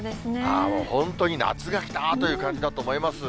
本当に夏が来たという感じだと思います。